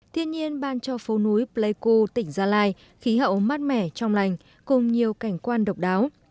thiên nhiên ban cho phố núi pleiku tỉnh gia lai khí hậu mát mẻ trong lành cùng nhiều cảnh quan độc đáo